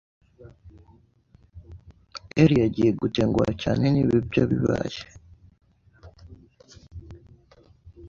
Elia agiye gutenguha cyane niba ibyo bibaye.